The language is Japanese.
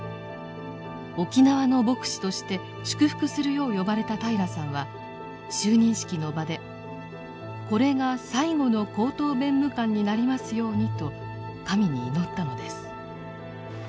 沖縄の牧師として祝福するよう呼ばれた平良さんは就任式の場で「これが最後の高等弁務官になりますように」と神に祈ったのです。